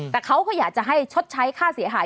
แต่เขาก็อยากจะให้ชดใช้ค่าเสียหาย